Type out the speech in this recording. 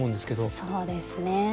そうですね。